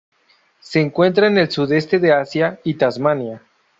Se encuentra en el Sudeste de Asia y Tasmania.